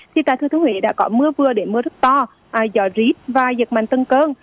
thì tại thứ thiên huế đã có mưa vừa để mưa rất to do rít và giật mạnh tân cơn